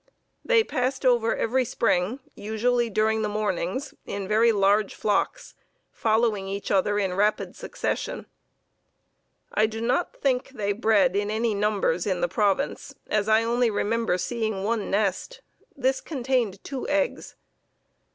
"They passed over every spring, usually during the mornings, in very large flocks, following each other in rapid succession. "I do not think they bred in any numbers in the province, as I only remember seeing one nest; this contained two eggs.